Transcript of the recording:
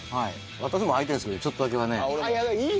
私も開いてるんですけどちょっとだけ。